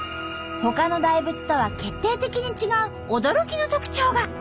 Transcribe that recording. ほかの大仏とは決定的に違う驚きの特徴が！